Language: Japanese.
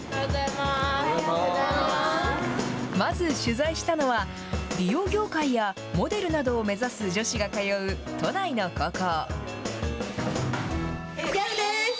まず、取材したのは、美容業界やモデルなどを目指す女子が通う都内の高校。